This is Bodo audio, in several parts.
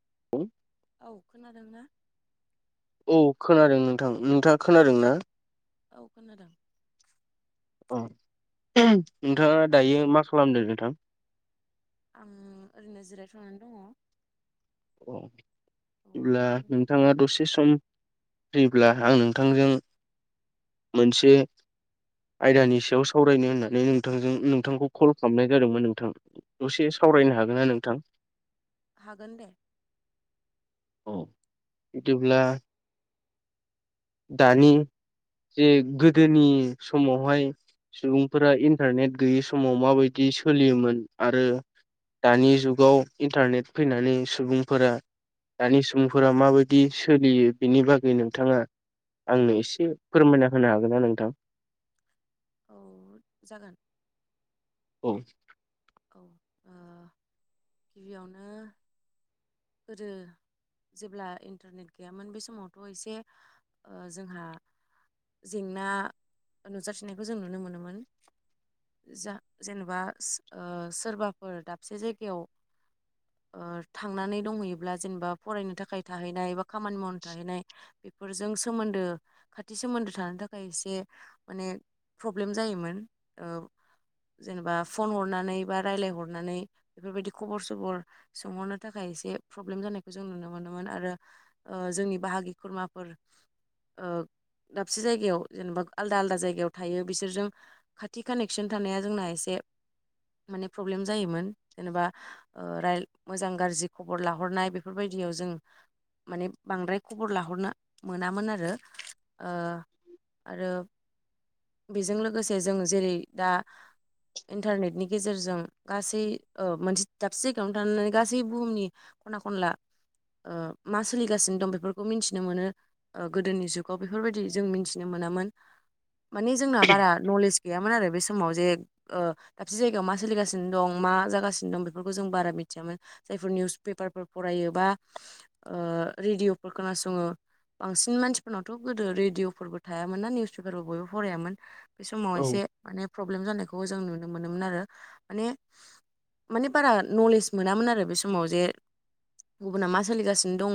[inaudible] औ खोनादोंना? औ खोनादों नोंथां नोंथाङा खोनादों ना? औ खोनादों। अ नोंथाङा दायो मा खालामदों नोंथां? आं ओरैनो जिरायथ'नानै दङ। अ अब्ला जों नोंथाङा दसे सम। होयोब्ला आं नोंथांजों मोनसे आयदानि सायाव सावरायनो होननानै नोंथांजों नोंथांखौ कल खालामनाय जादोंमोन नोंथां। दसे ओ सावरायनो हागोन ना नोंथां? हागोन दे। औ इदिब्ला दानि जे गोदोनि समावहाय सुबुंफोरा इन्टारनेट गैयि समाव माबायदि सोलियोमोन आरो दानि जुगाव इन्टारनेट फैनानै सुबुंफोरा दानि सुबुंफोरा माबायदि सोलियो बिनि बागै नोंथाङा आंनो एसे फोरमायना होनो हागोन ना नोंथां? औ जागोन। औ औ ओ गिबियावनो गोदो जेब्ला इन्टारनेट गैयामोन बे समावथ' एसे ओ जोंहा जेंना नुजाथिनायखौ जों नुनो मोनोमोन। जा जेनोबा ओ सोरबाफोर दाबसे जायगायाव ओ थांनानै दंहैयोब्ला जेनोबा फरायनो थाखाय थाहैनाय बा खामानि मावनो थाहैनाय बेफोरजों सोमोन्दो खाथि सोमोन्दो थानो थाखाय एसे माने प्रब्लेम जायोमोन। ओ जेनोबा फन हर नानै बा रायलायहरनानै बेफोरबायदि खबर सबर सोंहरनो थाखाय एसे प्रब्लेम जानायखौ जों नुनो मोनोमोन आरो ओ जोंनि बाहागि खुरमाफोर ओ दाबसे जायगायाव जेनोबा आलदा आलदा जायगायाव थायो बिसोरजों खाथि कानेक्सन थानाया जोंना एसे [unintelligible] माने प्रब्लेम जायोमोन जेनोबा ओ राय मोजां गाज्रि खबर लाहरनाय बेफोरबायदि याव जों माने बांद्राय खबर लाहरनो मोनामोन आरो ओ आरो बेजों लोगोसे जों जेरै दा इन्टारनेटनि गेजेरजों गासै ओ मोनसे दाबसे जायगायावनो थानानै गासै बुहुमनि खना खनला ओ मा सोलिगासिनो दं बेफोरखौ मिनथिनो मोनो ओ गोदोनि जुगाव बेफोरबायदि जों मिथिनो मो नोमोन। माने जोंना बारा नलेज गैयामोन आरो बे समाव जे ओ दाबसे जायगायाव मा सोलिगानों मा जागासिनो दं बेफोरखौ जों बारा मिथियामोन जायफोर निउस पेपारफोर फरायो एबा ओ रेदिअ' फोर खोनासङो बांसिन मानसिफोरनावथ' गोदो रेडिअ'फोरबो थायामोन ना निउस पेपारफोर बयबो फरायामोन बे समाव औ एसे माने प्रब्लेम जानायखौ जों नुनो मोनोमोन आरो। माने माने बारा नलेज मोनामोन आरो बे समाव जे गुबुना मा सोलिगासिनो दङ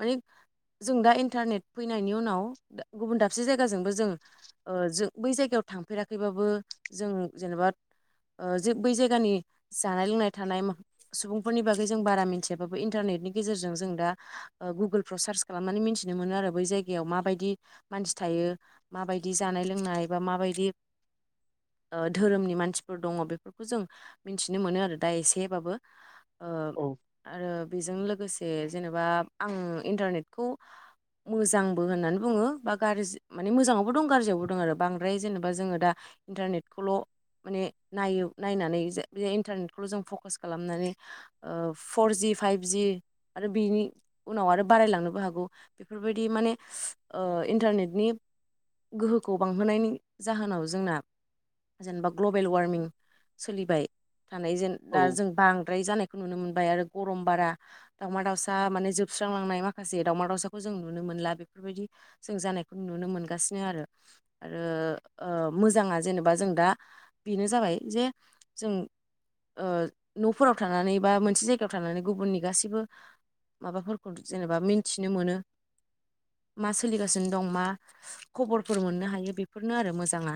माने जों दा इन्टारनेट फैनायनि उनाव गुबुन दाबसे जायगाजोंबो जों ओ जों बै जायगायाव थांफेराखैबाबो जों जेनोबा ओ जे बै जायगानि जानाय लोंनाय थानाय सुबुंफोरनि बागै जों बारा मिथियाबाबो इन्टार नेटनि गेजेरजों जों दा ओ गुगोलफ्राव सार्स खालामनानै मिनथिनो मोनो आरो बै जायगायाव माबायदि मान सि थायो माबायदि जानाय लोंनाय बा माबायदि [inaudible] ओ धोरोमनि मानसिफोर दङ बेफोरखौ जों मिथिनो मोनो आरो दा एसेबाबो ओ औ आरो बेजों लोगोसे जेनोबा आं इन्टारनेटखौ मोजांबो होननानै बुङो बा गाज्रि माने मोजाङावबो दं गाज्रियावबो दं आरो बांद्राय जेनेबा जोङो दा इन्टारनेटखौल' माने नायो नायनानै जे बे इन्टारनेटखौल' जों फकास खालामनानै ओ फर जि फाइब जि आरो बिनि उनाव आरो बारायलांनोबो हागौ बेफोरबायदि माने ओ ओ इन्टारनेटनि गोहोखौ बांहोनायनि जाहोनाव जोंना जेनैबा ग्लबेल वार्मिं सोलिबाय थानायजोन दा औ जों बांद्राय जानायखौ नुनो मोन बाय आरो गरम बारा दावमा दाउसा माने जोबस्रांलांनाय माखासे दावमा दाउसाखौ जों नुनो मोनला बे फोरबायदि जों जानायखौ नुनो मोनगासिनो आरो आरो ओ मोजाङा जेन' बा जों दा बेनो जाबाय जे जों ओ न'फोराव थानानै बा मोनसे जायगायाव थानानै गुबुननि गासैबो माबाफोरखौ जेनोबा मिनथिनो मोनो मा सोलिगासिनो दं मा खबरफोर मोननो हायो बेफोरनो आरो मोजाङा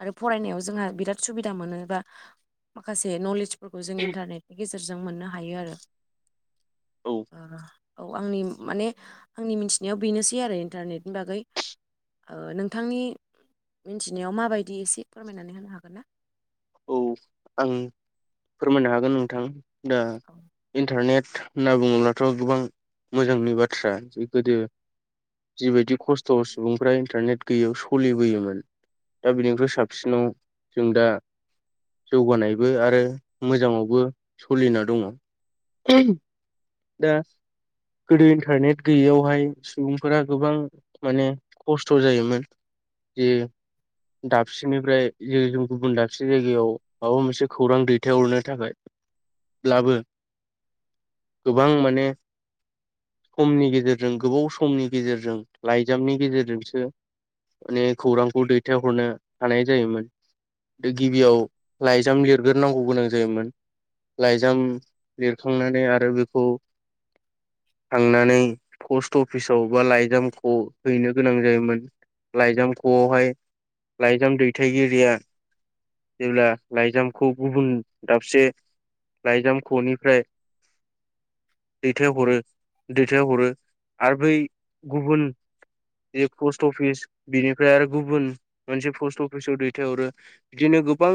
आरो फरायनायाव जोंहा बिराद सुबिदा मोनो बा माखासे नलेज फोरखौ जों इन्टारनेटनि गेजेरजों मोननो हायो आरो। औ ओ औ आंनि माने आंनि मिथिनायाव बेनोसै आरो इन्टारनेटनि बागै। ओ नोंथांनि मिथिनायाव माबायदि एसे फोरमायनानै होनो हागोन ना? औ आं फोरमायनो हागोन नोंथां दा औ इन्टारनेट होनना बुङोब्लाथ' गोबां मोजांनि बाथ्रा जे गोदो जिबायदि खस्थ' सुबुंफ्रा इन्टारनेट गैयैयाव सोलिबोयोमोन दा बिनिखफ्राय साबसिनाव जों दा जौगानायबो आरो मोजाङावबो स'लिना दङ। [unintelligible] दा गोदो इन्टारनेट गैयैयावहाय सुबुंफोरा गोबां माने खस्थ' जायोमोन। जे दाबसेनिफ्राय जे जों गुबुन दाब मोनसे जायगायाव माबा मोनसे खौरां दैथायहरनो थाखाय ब्लाबो गोबां माने समनि गेजेरजों गोबाव समनि गेजेरजों लाइजामनि गेजेरजोंसो माने खौरांखौ दैथायहरनो हानाय जायोमोन। गिबियाव लाइजाम लिरग्रोनांगौ गोनां जायोमोन लाइजाम लिरखांनानै आरो बेखौ थांनानै पस्ट अफिसाव बा लाइजामखौ हैनो गोनां जायोमोन। लाइजामख'हाय लाइजाम दैथायगिरिया जेब्ला लाइजामखौ गुबुन दाबसे लायजाम खनिफ्राय दैथायहरो दैथायहरो आर बै गुबुन बे पस्ट अफिस बिनिफ्राय आरो गुबुन मोनसे पस्ट अफिसाव दैथायहरो बिदिनो गोबां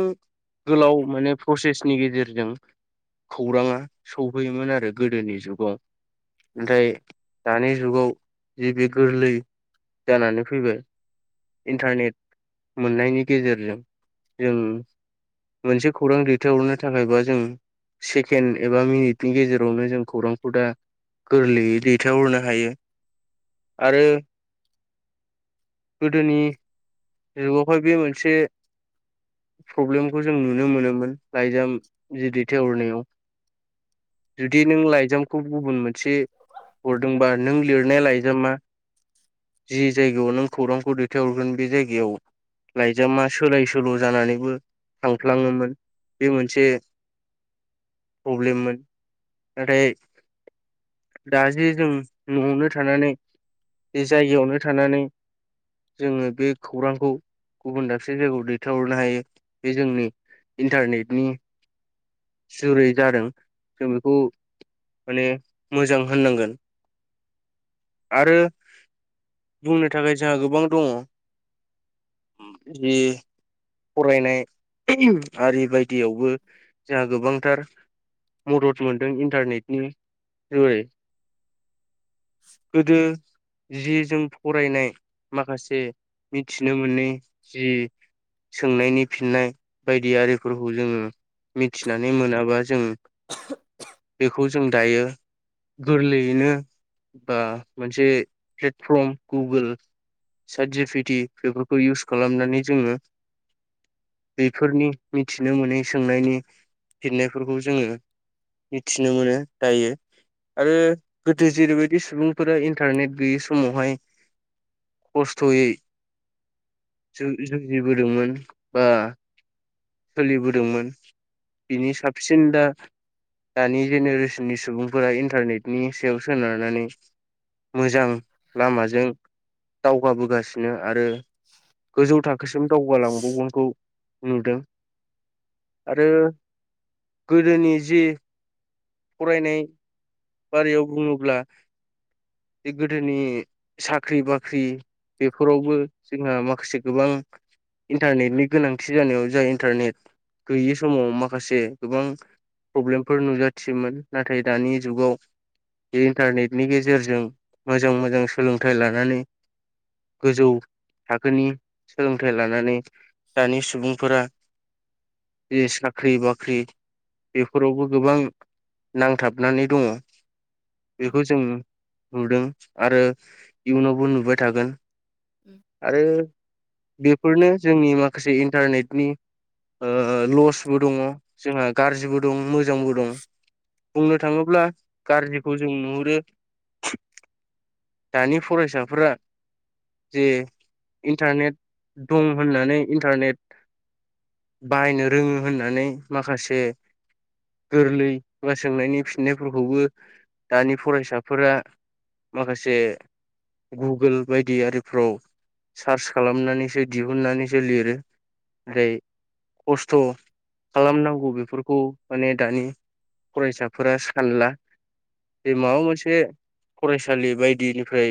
गोलाव माने प्रसेसनि गेजेरजों खौराङा सोफैयोमोन आरो गोदोनि जुगाव औ नाथाय दानि जुगाव जे बे गोरलै जानानै फैबाय इन्टारनेट मोननायनि गेजेरजों जों मोनसे खौरां दैथायहरनो थाखायबा जों सेकेन्ड एबा मिनिटनि गेजेरावनो जों खौरांखौ दा गोरलैयै दैथायहरनो हायो आरो गोदोनि जुगावहाय बे मोनसे प्रब्लेमखौ जों नुनो मोनोमोन लाइजाम जि दैथायेवरनायाव जुदि नों लाइजामखौ गुबुन मोनसे हरदोंबा नों लिरनाया लायजामा जि जायगायाव नों खौरांखौ दैथायहरगोन बे जायगायाव लाइजामा सोलाय सोल' जानानैबो थांफ्लाङोमोन बे मोनसे प्र'ब्लेममोन नाथाय दा जे जों न'आवनो थानानै जे जायगायावनो थानानै जोङो बे खौरांखौ गुबुन दा गसे जायगायाव दैथ हरनो हायो बे जोंनि इन्टारनेटनि जुरै जादों जों बेखौ माने मोजां होननांगोन। आरो बुंनो थाखाय जोंहा गोबां दङ [unintelligible] जि फरायनाय [unintelligible] आरि बायदियावबो जोंहा गोबांथार मदद मोनदों इन्टारनेटनि [unintelligible] गोदो जि जों फरायनाय माखासे मिथिनो मोनै जि सोंनायनि फिननाय बायदि आरिफोरखौ जोङो मिथिनानै मोनाबा जों बेखौ जों दायो गोरलैयैनो बा मोनसे प्लेटफर्म गुगोल सेटजिपिटि बेफोरखौ इउस खालामनानै जोङो बेफोरनि मिथिनो मोनै सोंनायनि फिन्नायफोरखौ जोङो मिथिनो मोनो दायो आरो गोदो जेरैबायदि सुबुंफोरा इन्टारनेट गैयै समावहाय खस्थ'यै। जुजिबोदोंमोन बा सोलिबोदोंमोन बिनि साबसिन दा दानि जेनेरेसननि सुबुंफोरा इन्टारनेटनि सायाव सोनारनानै मोजां लामाजों दावगाबोगासिनो आरो गोजौ थाख थाखोसिम दावगालांबावगोनखौ नुदों। आरो गोदोनि जि फरायनाय बारियाव बुङोब्ला। बे गोदोनि साख्रि बाख्रि बेफोरावबो जोंहा माखासे गोबां इन्टारनेटनि गोनांथि जानायाव जाय इन्टारनेट गैयि समाव माखासे गोबां प्रब्लेमफोर नुजाथियोमोन नाथाय दानि जुगाव बे इन्टारनेटनि गेजेरजों मोजां मोजां सोलोंथाइ लानानै गोजौ। थाखोनि सोलोंथाइ लानानै दानि सुबुंफोरा जे साख्रि बाख्रि बेफोरावबो गोबां नांथाबनानै दङ बेखौ जों नु नुदों। आरो इयुनावबो नुबाय थागोन उम आरो बेफोरनो जोंनि माखासे इन्टारनेटनि ओ लसबो दङ जोंहा गाज्रिबो दं मोज बुंनो थाङोब्ला गाज्रिखौ जों नुहुरो। दानि फरायसाफोरा जे इन्टारनेट दं होननानै इन्टारनेट बाहायनो रोङो होननानै माखासे गोरलै सोंनायनि फिननायफोरखौबो दानि फरायसाफोरा माखासे। गुगोल बायदि आरिफ्राव सार्च खालामनानैसो दिहुननानैसो लिरो। ओरै खस्थ' खालामनांगौ बेफोरखौ माने दानि। फरायसाफोरा सानला बे माबा मोनसे फरायसालि बायदिनिफ्राय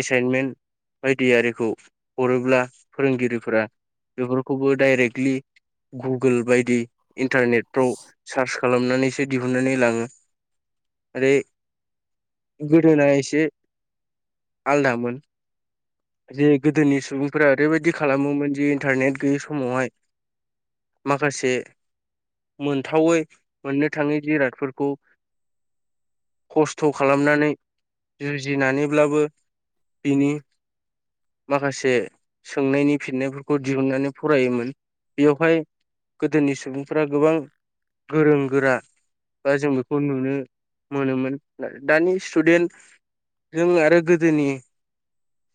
एसाइनमेन्ट बायदियाखौ हरोब्ला फोरोंगिरिफोरा बेफोरखौबो डाइरेक्टलि गुगोल बायदि इन्टारनेटफ्राव सार्च खालामनानैसो दिहुननानै लाङो आरो। गोदोना एसे आलदामोन जे गोदोनि सुबुंफोरा ओरैबायदि खालामोमोन जे इन्टारनेट गैयै समावहाय माखासे मोनथावै मोननो थाङै जिरादफोरखौ खस्थ' खालामनानै जुजिनानैब्लाबो बिनि। माखासे सोंनायनि फिननायफोरखौ दिहुननानै फरायोमोन बेयावहाय गोदोनि सुबुंफोरा गोबां गोरों गोरा बा जों बेखौ नुनो मोनोमोन दानि स्टुडेन्ट जों आरो गोदोनि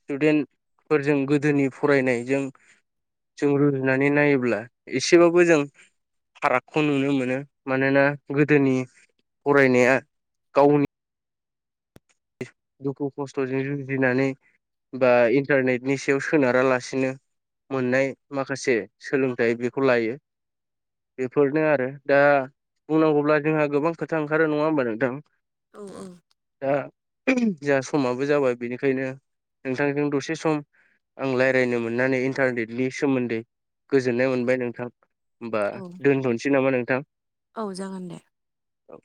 स्टुडेन्टफोरजों गोदोनि फरायनायजों। जों रुजुनानै नायोब्ला एसेबाबो जों फारागखौ नुनो मोनो। मानोना गोदोनि फरायनाया गावनि दुखु खस्थ'जों जुजिनानै बा इन्टारनेटनि सायाव सोनारालासिनो मोननाय माखासे सोलोंथाइ बेखौ लायो। बेफोरनो आरो दा बुंनांगौब्ला जोंहा गोबां खोथा ओंखारो नङा होमबा नोंथां। औ औ। जाहा समाबो जाबाय। बेनिखायनो नोंथांजों दसे सम आं रायलायनो मोननानै इन्टारनेटनि सोमोन्दै गोजोननाय मोनबाय नोंथां। होमबा औ दोनथ'नोसै नामा नोंथां? औ जागोन दे औ।